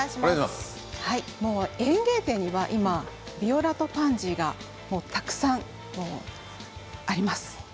園芸店には今ビオラとパンジーがたくさんあります。